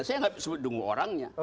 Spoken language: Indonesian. saya nggak sebut dungu orangnya